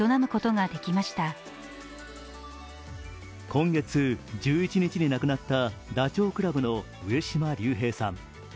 今月１１日に亡くなったダチョウ倶楽部の上島竜兵さん。